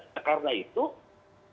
ya sudah melawan kemanusiaan